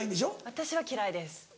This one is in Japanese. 私は嫌いです